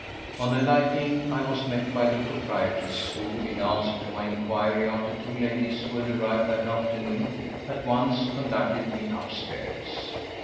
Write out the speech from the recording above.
On alighting I was met by the proprietress who, in answer to my inquiry after two ladies who had arrived that afternoon, at once conducted me upstairs.